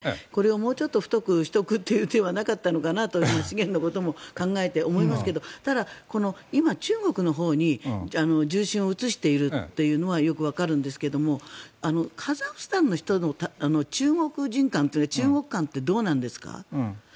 やはり、こういう日本とのパイプというのがあったわけでこれをもうちょっと太くしておくという手はなかったのかなと資源のことも考えて思いますけどただ、今、中国のほうに重心を移しているというのはよくわかるんですがカザフスタンの人の中国人観というか中国観ってどうなんですか。